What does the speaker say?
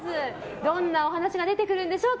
どんなお話が出てくるんでしょうか。